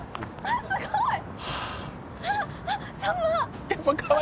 あっすごい！